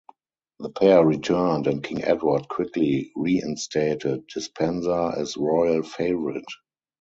The pair returned and King Edward quickly reinstated Despenser as royal favourite.